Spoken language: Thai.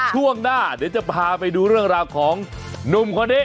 ช่วงหน้าเดี๋ยวจะพาไปดูเรื่องราวของหนุ่มคนนี้